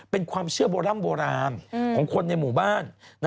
เป็นความเชื่อโบร่ำโบราณของคนในหมู่บ้าน